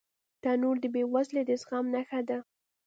تنور د بې وزلۍ د زغم نښه ده